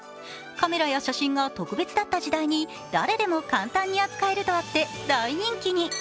カメラや写真が特別だった時代に誰でも簡単に扱えるとあって大人気に。